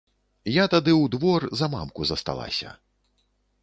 Я тады ў двор за мамку засталася.